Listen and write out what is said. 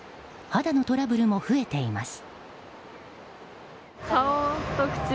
肌のトラブルも増えています。